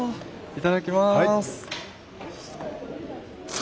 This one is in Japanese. いただきます。